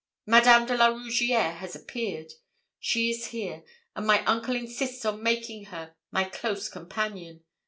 Madame de la Rougierre has appeared! She is here, and my uncle insists on making her my close companion.